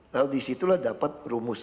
lalu disitulah dapat rumus